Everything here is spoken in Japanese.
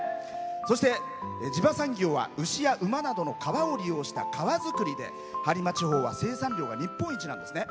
そして地場産業は牛や馬などの皮を利用した革づくりで、播磨地方は生産量が日本一なんですね。